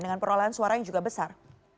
dengan perolehan suara yang juga besar